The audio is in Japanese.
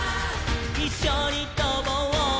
「いっしょにとぼう」